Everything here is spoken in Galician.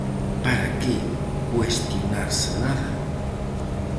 Para que cuestionarse nada?